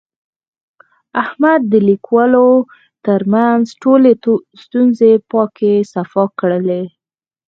احمد د کلیوالو ترمنځ ټولې ستونزې پاکې صفا کړلې.